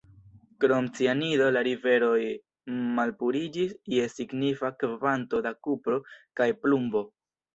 Krom cianido la riveroj malpuriĝis je signifa kvanto da kupro kaj plumbo.